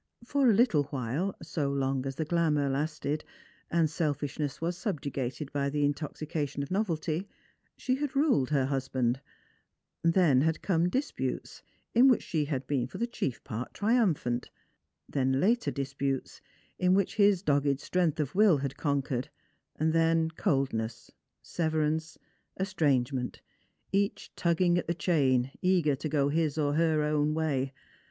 For a little while — so long as the glamour lasted, and selfishness was subjugated by the intoxica tion of novelty — she had ruled her husband; then had come disputes, in which she had been for the chief part triumphant ; then later disputes, in which his dogged strength of will had conquered; then coldness, severance, estrangement, each tug ging at the chain, eager to go his or her own way.